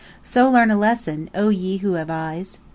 So learn a lesson, O ye who have eyes!